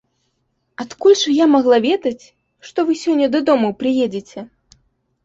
Адкуль жа я магла ведаць, што вы сёння дадому прыедзеце.